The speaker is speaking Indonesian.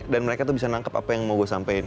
dan mereka tuh bisa nangkep apa yang mau gue sampein